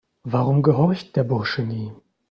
Warum gehorcht der Bursche nie?